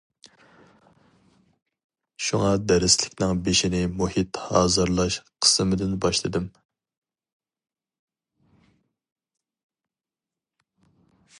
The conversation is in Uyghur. شۇڭا دەرسلىكنىڭ بېشىنى مۇھىت ھازىرلاش قىسمىدىن باشلىدىم.